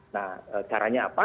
nah caranya apa